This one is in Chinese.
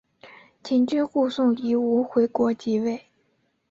秦军护送夷吾回国即位。